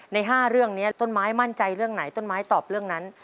ใน๕เรื่องนี้ต้นไม้มั่นใจเรื่องไหนต้นไม้ตอบเรื่องนั้น